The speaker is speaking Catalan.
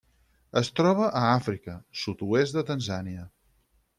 Es troba a Àfrica: sud-oest de Tanzània.